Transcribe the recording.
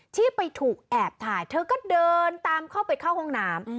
ที่ไปถูกแอบถ่ายเธอก็เดินตามเข้าไปเข้าห้องน้ำ